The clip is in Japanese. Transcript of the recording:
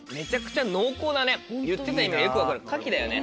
言ってた意味がよく分かるカキだよね